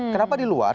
kenapa di luar